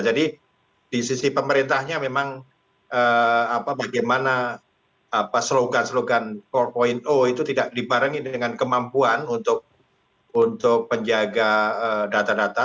jadi di sisi pemerintahnya memang bagaimana slogan slogan empat itu tidak dibarengi dengan kemampuan untuk penjaga data data